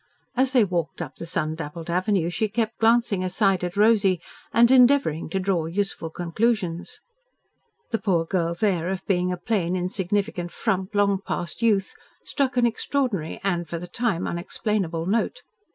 As they walked up the sun dappled avenue she kept glancing aside at Rosy, and endeavouring to draw useful conclusions. The poor girl's air of being a plain, insignificant frump, long past youth, struck an extraordinary and, for the time, unexplainable note.